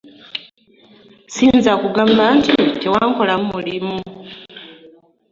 Ssiyinza kugamba nti tewankolamu mulimu.